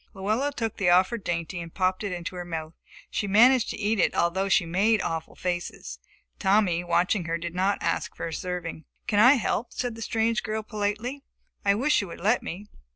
Luella took the offered dainty and popped it into her mouth. She managed to eat it, although she made awful faces. Tommy, watching her, did not ask for a serving. "Can I help?" said the strange girl politely. "I wish you would let me.